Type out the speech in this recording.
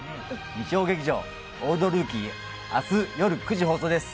日曜劇場「オールドルーキー」明日よる９時放送です